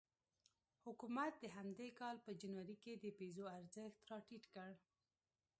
حکومت د همدې کال په جنوري کې د پیزو ارزښت راټیټ کړ.